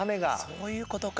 そういうことか。